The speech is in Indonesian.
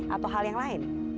atau hal yang lain